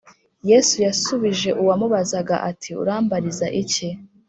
yesu yasubije uwamubazaga ati, “urambariza iki?